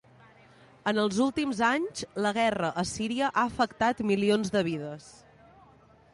En els últims anys, la guerra a Síria ha afectat milions de vides.